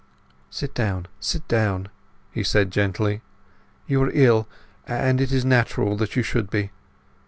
"Sit down, sit down," he said gently. "You are ill; and it is natural that you should be."